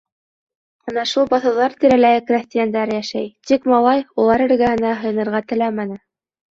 Ана шул баҫыуҙар тирәләй крәҫтиәндәр йәшәй, тик малай улар эргәһенә һыйынырға теләмәне.